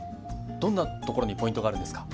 どんなところにポイントがあるんですか？